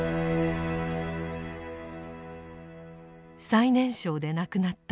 最年少で亡くなった一人